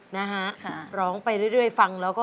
นะฮะร้องไปเรื่อยฟังแล้วก็